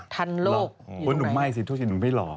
ทันลูกอยู่รึไงคุณหนุ่มไหม้สิทุกชื่อหนุ่มไม่หล่อ